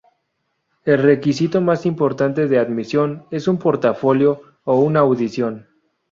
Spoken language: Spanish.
El requisito más importante de admisión es un portafolio o una audición.